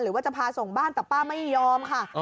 หรือว่าจะพาส่งบ้านแต่ป้าไม่ยอมค่ะ